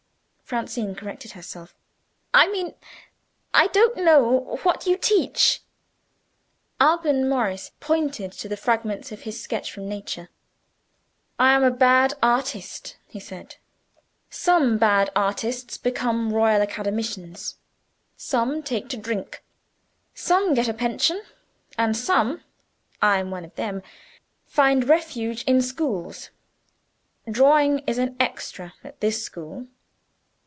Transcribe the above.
Francine corrected herself. "I mean, I don't know what you teach." Alban Morris pointed to the fragments of his sketch from Nature. "I am a bad artist," he said. "Some bad artists become Royal Academicians. Some take to drink. Some get a pension. And some I am one of them find refuge in schools. Drawing is an 'Extra' at this school.